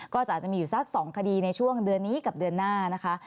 ก็อาจจะมีอยู่สัก๒คดีในช่วงเดือนนี้กับเดือนหน้านะคะ